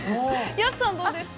安さん、どうですか？